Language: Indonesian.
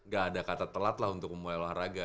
gak ada kata telat lah untuk memulai olahraga